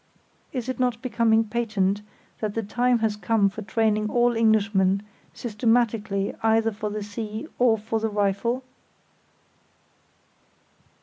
Is it not becoming patent that the time has come for training all Englishmen systematically either for the sea or for the rifle?